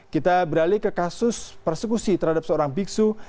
kita beralih ke kasus persekusi terhadap seorang biksu